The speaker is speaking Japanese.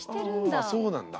ああそうなんだ。